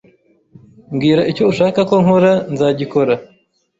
Mbwira icyo ushaka ko nkora nzagikora.